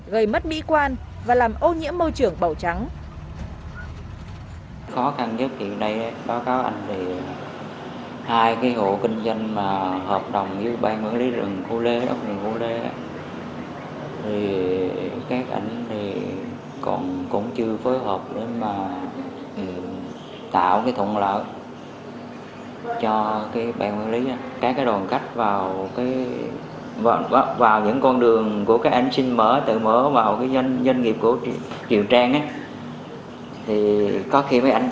gây mất mỹ quan và làm ô nhiễm môi trường bầu trắng